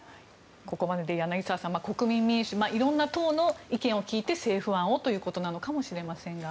ここまでで柳澤さん国民民主いろんな党の意見を聞いて政府案をということなのかもしれませんが。